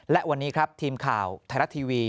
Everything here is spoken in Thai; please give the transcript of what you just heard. และวันนี้ครับทีมข่าวไทยรัฐทีวี